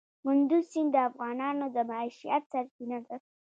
کندز سیند د افغانانو د معیشت سرچینه ده.